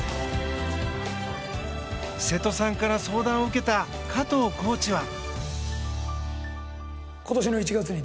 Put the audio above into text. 瀬戸さんから相談を受けた加藤コーチは。